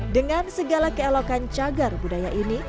dengan segala keelokan cagar budaya ini